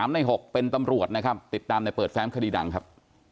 ๓ใน๖เป็นตำรวจติดตามในเปิดแฟมคดีดังครับ